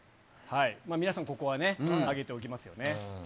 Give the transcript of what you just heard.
皆さんここはね、挙げておきますよね。